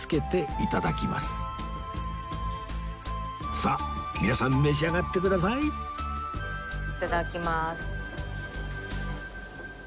さあ皆さん召し上がってくださいいただきます。